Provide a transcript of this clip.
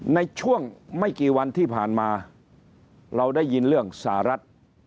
ในช่วงไม่กี่วันที่ผ่านมาเราได้ยินเรื่องสหรัฐ